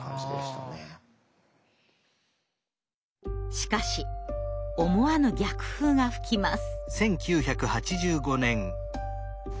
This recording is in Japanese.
しかし思わぬ逆風が吹きます。